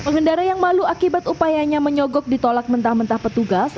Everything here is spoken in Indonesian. pengendara yang malu akibat upayanya menyogok ditolak mentah mentah petugas